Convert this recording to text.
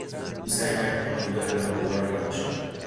او سعی کرد آن رویداد ناگوار را فراموش کند.